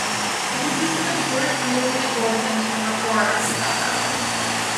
It consisted of short three-minute bulletins from "Rapport" every half-hour.